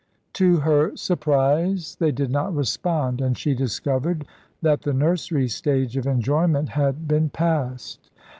To her surprise, they did not respond, and she discovered that the nursery stage of enjoyment had been passed.